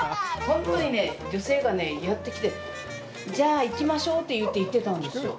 本当にね、女性がやってきて「じゃあ行きましょう」て言って行ってたんですよ。